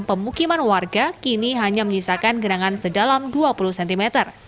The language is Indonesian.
pemukiman warga kini hanya menyisakan genangan sedalam dua puluh cm